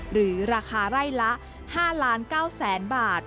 หรือราคาไร่ละ๕๙๐๐๐บาท